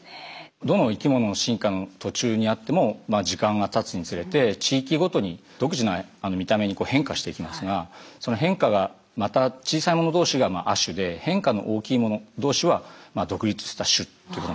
どの生きものの進化の途中にあっても時間がたつにつれて地域ごとに独自な見た目に変化していきますがその変化がまた小さいもの同士が亜種で変化の大きいもの同士は独立した種ということになります。